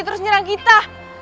terus nyerang kita